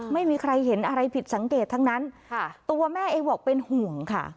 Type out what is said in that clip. ไม่มีใครเห็นอะไรผิดสังเกตทั้งนั้นค่ะตัวแม่เองบอกเป็นห่วงค่ะ